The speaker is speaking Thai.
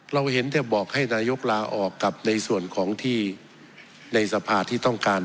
เราเห็นจะบอกให้นายกลาออกกับในส่วนของที่ในสภาที่ต้องการ